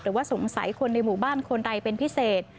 หรือว่าสงสัยคนในหมู่บ้านคนใดเป็นพิเศษ